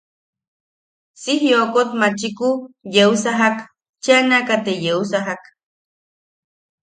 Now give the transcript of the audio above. Si jiokot machiku yeu sajak, cheneaka te yeu sajak.